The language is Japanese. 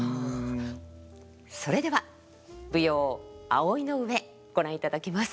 それでは舞踊「葵の上」ご覧いただきます。